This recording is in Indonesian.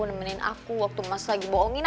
nemenin aku waktu mas lagi bohongin